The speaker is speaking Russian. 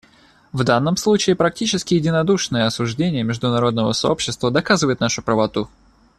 В данном случае практически единодушное осуждение международного сообщества доказывает нашу правоту.